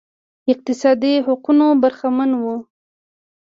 اقتصادي حقونو برخمن وو